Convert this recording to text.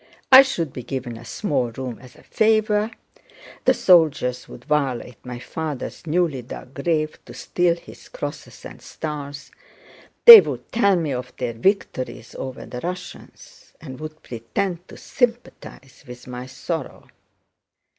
I should be given a small room as a favor, the soldiers would violate my father's newly dug grave to steal his crosses and stars, they would tell me of their victories over the Russians, and would pretend to sympathize with my sorrow..."